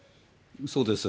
そうです。